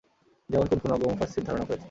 যেমন কোন কোন অজ্ঞ মুফাসসির ধারণা করেছেন।